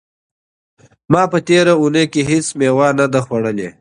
ما په تېره اونۍ کې هیڅ مېوه نه ده خوړلې.